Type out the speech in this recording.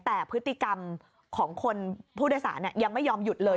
แต่พฤติกรรมของคนผู้โดยสารยังไม่ยอมหยุดเลย